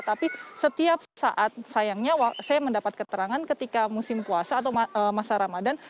tapi setiap saat sayangnya saya mendapat keterangan ketika musim puasa atau masa ramadan